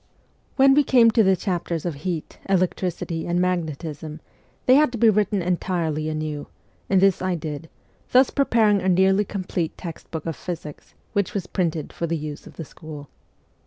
When we came to the chapters of heat, electricity, and magnetism, they had to be written entirely anew, and this I did, thus preparing a nearly complete text book of physics, which was printed for the use of the school.